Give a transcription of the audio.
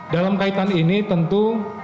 dalam kaitan ini tentu